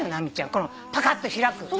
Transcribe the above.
このパカッと開く。